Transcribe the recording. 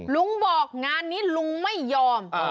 ลุงบอกงานนี้ลุงไม่ยอม